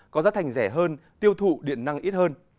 có giá thành rẻ hơn tiêu thụ điện năng ít hơn